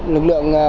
lực lượng cấp cao